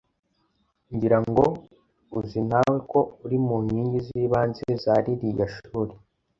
Ngira ngo uzi nawe ko uri mu nkingi z’ibanze za ririya shuri!